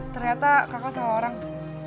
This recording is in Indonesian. ternyata kakak salah orang